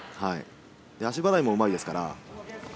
足払いも重いですから。